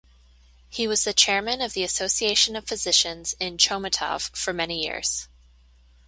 He was the chairman of the Association of Physicians in Chomutov for many years.